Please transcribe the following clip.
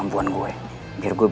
haduh sini gue berani